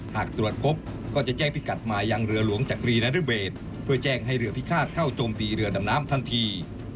หากตรวจพบก็จะแจ้งพิกัดมายังเรือหลวงจักรีนรเบศเพื่อแจ้งให้เรือพิฆาตเข้าโจมตีเรือดำน้ำทันที